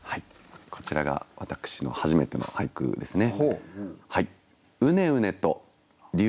こちらが私の初めての俳句ですね。